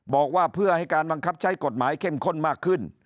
บอกว่าเพื่อให้การบังคับใช้กฎหมายเข้มข้นมากขึ้น